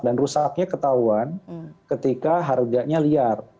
dan rusaknya ketahuan ketika harganya liar